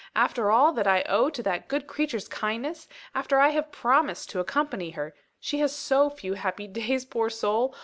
"After all that I owe to that good creature's kindness; after I have promised to accompany her she has so few happy days, poor soul!